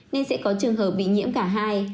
nên sẽ có trường hợp bị nhiễm cả hai